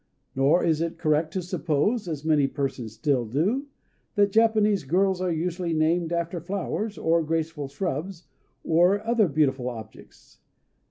Nor is it correct to suppose, as many persons still do, that Japanese girls are usually named after flowers, or graceful shrubs, or other beautiful objects.